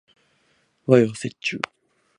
和洋折衷